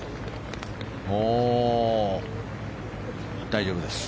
大丈夫です。